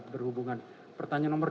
berhubungan pertanyaan nomor